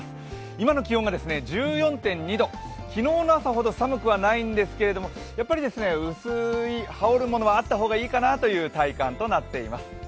今の気温が１４．２度、昨日の朝ほど寒くはないんですけれども、やっぱり薄い羽織るものはあった方がいいかなという体感になっています。